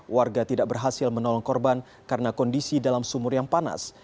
warga tidak berhasil menolong korban karena kondisi dalam sumur yang panas